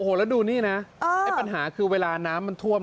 โอ้โหแล้วดูนี่นะไอ้ปัญหาคือเวลาน้ำมันท่วม